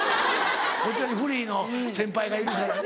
こちらにフリーの先輩がいるからね。